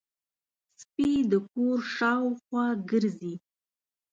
سپي د کور شاوخوا ګرځي.